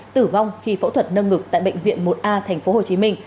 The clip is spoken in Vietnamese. tử vong khi phẫu thuật nâng ngực tại bệnh viện một a tp hcm